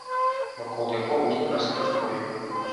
Вакол яго густа раслі хвоі.